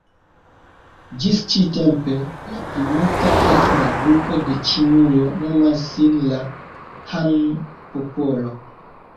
Ĝis ĉi-tempe, la plimulta etna grupo de Ĉinujo nomas sin la "Han-popolo".